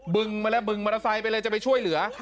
ึงมาเลยบึงมอเตอร์ไซค์ไปเลยจะไปช่วยเหลือ